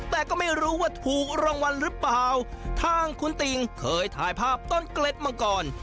แต่ก็ไม่รู้ว่าถูกรางวัลหรือเปล่าทางคุณติ่งเคยถ่ายภาพต้นเกล็ดมังกร